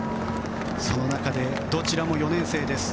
その中でどちらも４年生です。